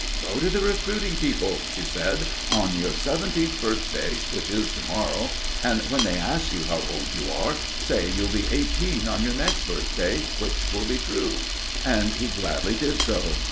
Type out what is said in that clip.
"Go to the recruiting people," she said, "on your seventeenth birthday, which is to morrow, and when they ask you how old you are, say you'll be eighteen on your next birthday, which will be true." And he gladly did so.